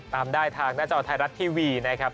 ตามได้ทางหน้าจอไทยรัฐทีวีนะครับ